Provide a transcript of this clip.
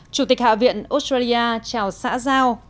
chủ tịch hạ viện australia chào xã giao